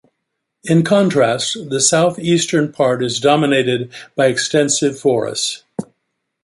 In contrast, the southeastern part is dominated by extensive forests.